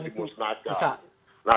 digunakan harus dimusnahkan